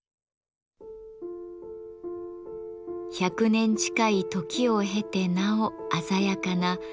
１００年近い時を経てなお鮮やかな緋色の装束。